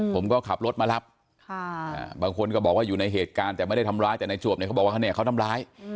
ผมก็ขับรถมารับบางคนก็บอกว่าอยู่ในเหตุการณ์แต่ไม่ได้ทำร้ายแต่ในจวบเนี่ยเขาบอกว่าเขาทำร้าย